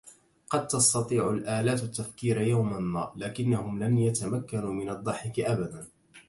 قد تستطيع الآلات التفكير يوما ما, لكنهم لن يتمكنو من الضحك ابداً